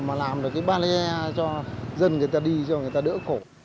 mà làm được cái ba le cho dân người ta đi cho người ta đỡ khổ